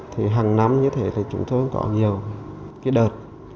thì hàng năm như thế thì chúng tôi cũng có nhiều cái đợt